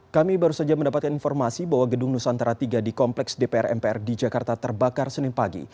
kami baru saja mendapatkan informasi bahwa gedung nusantara tiga di kompleks dpr mpr di jakarta terbakar senin pagi